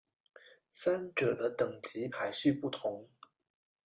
三者的等级排序不同。